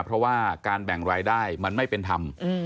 เพราะว่าการแบ่งรายได้มันไม่เป็นธรรม